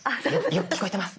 よく聞こえてます。